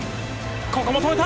ここも止めた。